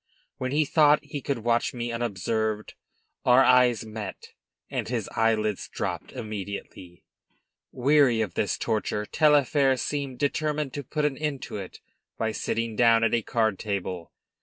When he thought he could watch me unobserved our eyes met, and his eyelids dropped immediately. Weary of this torture, Taillefer seemed determined to put an end to it by sitting down at a card table.